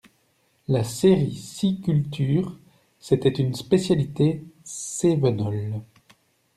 La sériciculture était une spécialité Cévenole.